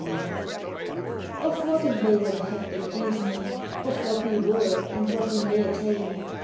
XIII Of what avail the hectic reasoning Of what we were and what we may attain?